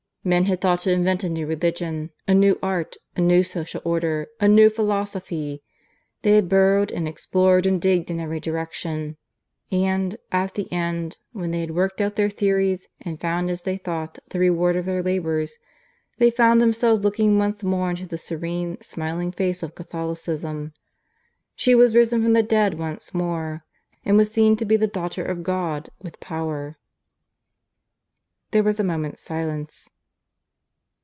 Men had thought to invent a new religion, a new art, a new social order, a new philosophy; they had burrowed and explored and digged in every direction; and, at the end, when they had worked out their theories and found, as they thought, the reward of their labours, they found themselves looking once more into the serene, smiling face of Catholicism. She was risen from the dead once more, and was seen to be the Daughter of God, with Power." There was a moment's silence.